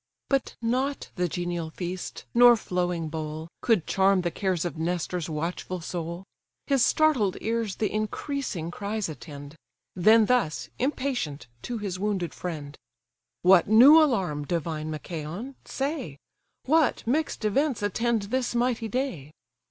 But not the genial feast, nor flowing bowl, Could charm the cares of Nestor's watchful soul; His startled ears the increasing cries attend; Then thus, impatient, to his wounded friend: "What new alarm, divine Machaon, say, What mix'd events attend this mighty day?